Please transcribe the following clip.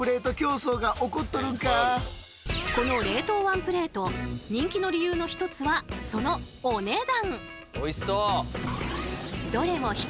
この冷凍ワンプレート人気の理由の一つはそのお値段！